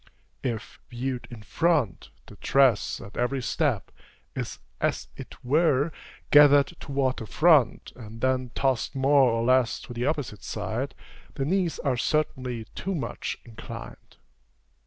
If, viewed in front, the dress, at every step, is as it were, gathered toward the front, and then tossed more or less to the opposite side, the knees are certainly too much inclined.